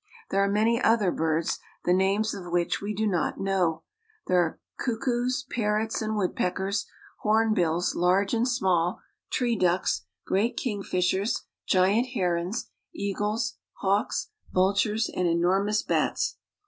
There are many other birds, the names of which i not know. There are cuckoos, parrots, and woodpeckers hombills, large and small, tree ducks, great kingfishers. LIFE UPON THE KONGO fgiant herons, eagles, hawks, vultures, and enormous bats.